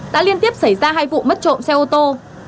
đã liên tiếp xảy ra hai vụ mất trộm xe ô tô